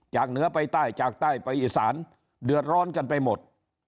เหนือไปใต้จากใต้ไปอีสานเดือดร้อนกันไปหมด